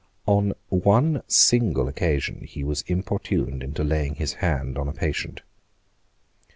On one single occasion he was importuned into laying his hand on a patient.